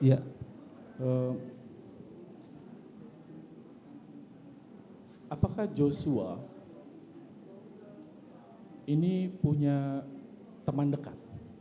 apakah joshua ini punya teman dekat